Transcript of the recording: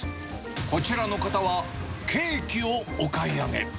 こちらの方はケーキをお買い上げ。